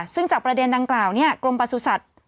ซึ่งจากประเด็นดังกล่าวกรมประสุทธิ์